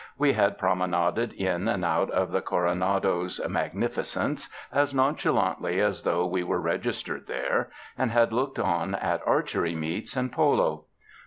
We had promenaded in and out of the Coronado's mag nificence as nonchalantly as though we were regis tered there, and had looked on at archery meets and polo.